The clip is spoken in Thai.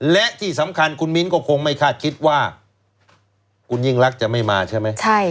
และที่สำคัญคุณมิ้นก็คงไม่คาดคิดว่าคุณยิ่งรักจะไม่มาใช่ไหม